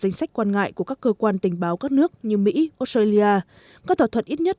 danh sách quan ngại của các cơ quan tình báo các nước như mỹ australia các thỏa thuận ít nhất